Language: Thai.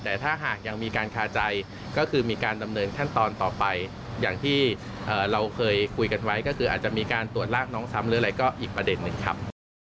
อาจจะมีการตรวจรากน้องซ้ำหรืออะไรก็อีกประเด็นหนึ่งครับ